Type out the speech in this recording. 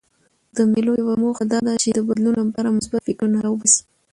د مېلو یوه موخه دا ده، چي د بدلون له پاره مثبت فکرونه راباسي.